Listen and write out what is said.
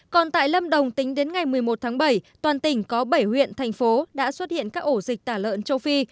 còn tại lâm đồng tính đến ngày một mươi một tháng bảy toàn tỉnh có bảy huyện thành phố đã xuất hiện các ổ dịch tả lợn châu phi